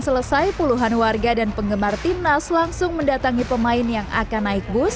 selesai puluhan warga dan penggemar timnas langsung mendatangi pemain yang akan naik bus